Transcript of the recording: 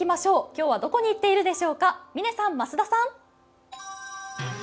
今日はどこに行っているでしょうか、嶺さん、増田さん。